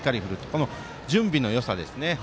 この準備のよさですね。